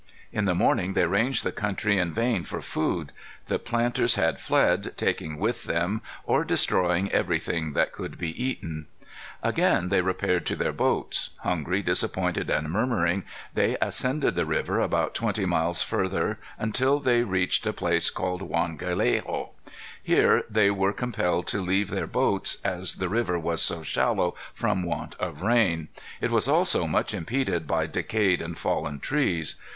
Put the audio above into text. In the morning they ranged the country in vain for food. The planters had fled, taking with them or destroying everything that could be eaten. Again they repaired to their boats. Hungry, disappointed, and murmuring, they ascended the river about twenty miles farther until they reached a place called Juan Gallego. Here they were compelled to leave their boats, as the river was so shallow from want of rain; it was also much impeded by decayed and fallen trees.